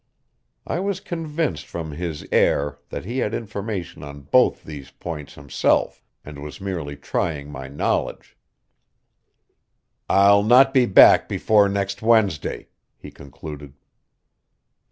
I was convinced from his air that he had information on both these points himself, and was merely trying my knowledge. "I'll not be back before next Wednesday," he concluded.